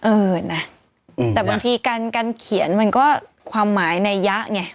เออนะแต่บางทีการเขียนมันก็ความหมายในยะไง